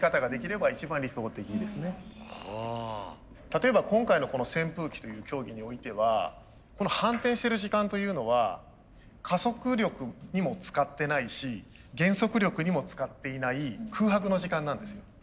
例えば今回のこの扇風機という競技においてはこの反転してる時間というのは加速力にも使ってないし減速力にも使っていない空白の時間なんですよ。